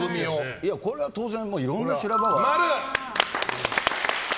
これは当然、いろんな修羅場は。